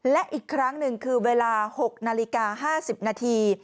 และอีกครั้งหนึ่งคือเวลา๖นาฬิกา๕๐นาที